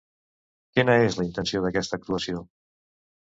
Quina és la intenció d'aquesta actuació?